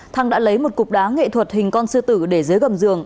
thăng đã lấy một cục đá nghệ thuật hình con sư tử để dưới gầm giường